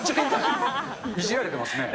いじられてますね。